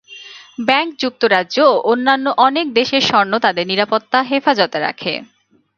Bank যুক্তরাজ্য ও অন্যান্য অনেক দেশের স্বর্ণ তাদের নিরাপত্তা হেফাজতে রাখে।